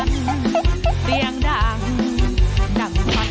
สวัสดีค่ะ